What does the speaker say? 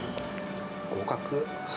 合格。